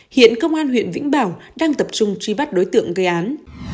hiện công an huyện vĩnh bảo đang tập trung truy bắt đối tượng gây án